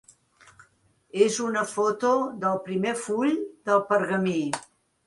És una foto del primer full del pergamí.